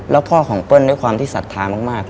แล้วพ่อของเปิ้ลด้วยความที่ศรัทธามาก